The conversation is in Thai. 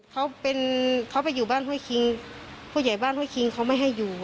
เขาเป็นเขาไปอยู่บ้านห้วยคิงผู้ใหญ่บ้านห้วยคิงเขาไม่ให้อยู่